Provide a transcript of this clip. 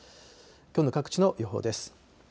きょうの各地の予報です。